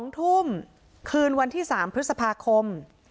๒ทุ่มคืนวันที่๓พฤษภาคม